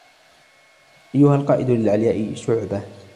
أيها القائد للعلياء شعبه